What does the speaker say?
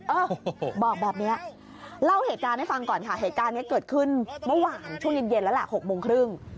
เออบอกแบบนี้เล่าเหตุการณ์ให้ฟังก่อนค่ะเหตุการณ์นี้เกิดขึ้นเมื่อวานช่วงเย็นแล้วแหละ๖โมงครึ่ง